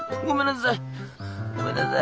ごめんなさい。